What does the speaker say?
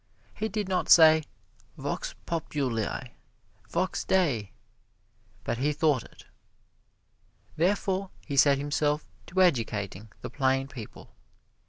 He did not say, "Vox populi, vox Dei," but he thought it. Therefore he set himself to educating the plain people.